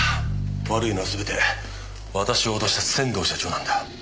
悪いのはすべて私を脅した仙道社長なんだ。